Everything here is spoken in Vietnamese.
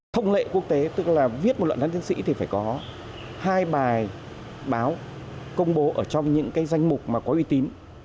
thông lệ quốc tế tức là viết một luận đánh tiến sĩ thì phải có hai bài báo công bố ở trong những danh mục có uy tín